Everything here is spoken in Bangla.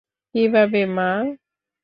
কীভাবে, মা?